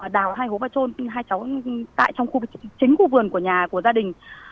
đào hai hố ba trôn hai cháu tại trong chính khu vườn của nhà của gia đình